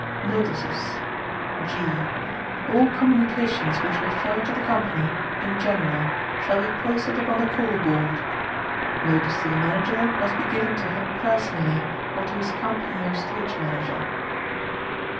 Notices (G) All communications which refer to the company in general shall be posted upon the call board. Notice to the Manager must be given to him personally or to his company or Stage Manager.